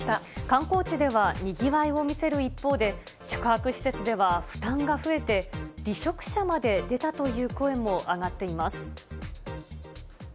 観光地ではにぎわいを見せる一方で、宿泊施設では負担が増えて、離職者まで出たという声も上がっています。